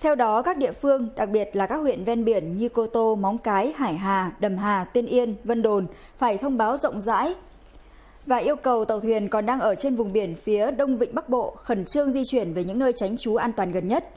theo đó các địa phương đặc biệt là các huyện ven biển như cô tô móng cái hải hà đầm hà tiên yên vân đồn phải thông báo rộng rãi và yêu cầu tàu thuyền còn đang ở trên vùng biển phía đông vịnh bắc bộ khẩn trương di chuyển về những nơi tránh trú an toàn gần nhất